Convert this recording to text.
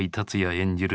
演じる